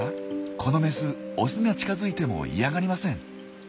このメスオスが近づいても嫌がりません。